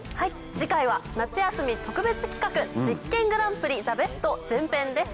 次回は夏休み特別企画「実験グランプリ‼ザ・ベスト」前編です。